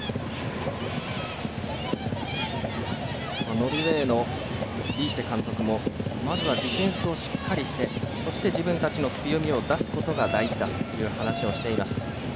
ノルウェーのリーセ監督もまずはディフェンスをしっかりしてそして、自分たちの強みを出すことが大事だと話をしていました。